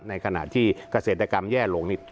ในขณะที่เกษตรกรรมแย่ลงนี่